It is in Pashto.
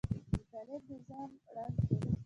د طالب نظام ړنګ شو.